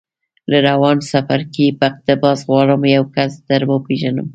له روان څپرکي په اقتباس غواړم یو کس در وپېژنم